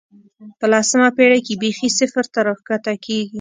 په لسمه پېړۍ کې بېخي صفر ته راښکته کېږي.